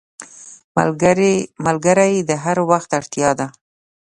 ملګری د هر وخت اړتیا ده